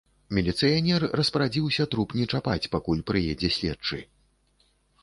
Міліцыянер распарадзіўся труп не чапаць, пакуль прыедзе следчы.